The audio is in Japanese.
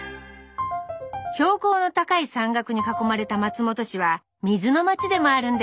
標高の高い山岳に囲まれた松本市は水の町でもあるんです。